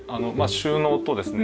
収納とですね